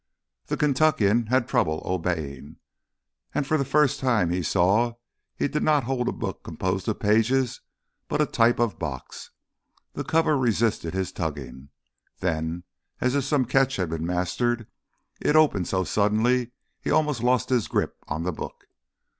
The Kentuckian had trouble obeying. And for the first time he saw he did not hold a book composed of pages but a type of box. The cover resisted his tugging. Then, as if some catch had been mastered, it opened so suddenly he almost lost his grip on the book.